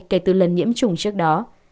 kể từ lần nhiễm chủng trước đó